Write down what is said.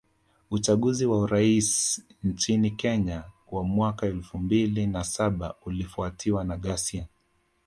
Uchaguzi wa urais nchini Kenya wa mwaka elfu mbili na saba ulifuatiwa na ghasia